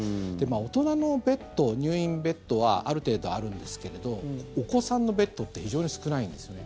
大人のベッド、入院ベッドはある程度あるんですけれどお子さんのベッドって非常に少ないんですね。